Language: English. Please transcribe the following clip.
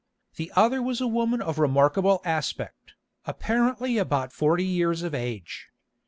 The other was a woman of remarkable aspect, apparently about forty years of age.